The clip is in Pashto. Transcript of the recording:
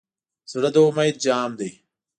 زړه د امید جام دی.